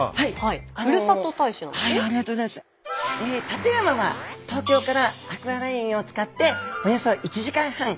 館山は東京からアクアラインを使っておよそ１時間半。